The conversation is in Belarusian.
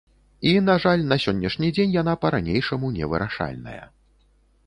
І, на жаль, на сённяшні дзень яна па-ранейшаму невырашальная.